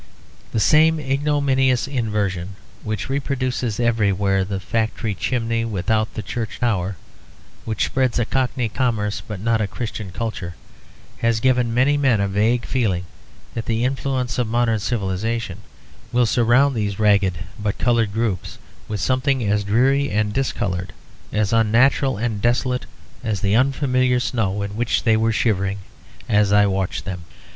The same ignominious inversion which reproduces everywhere the factory chimney without the church tower, which spreads a cockney commerce but not a Christian culture, has given many men a vague feeling that the influence of modern civilisation will surround these ragged but coloured groups with something as dreary and discoloured, as unnatural and as desolate as the unfamiliar snow in which they were shivering as I watched them.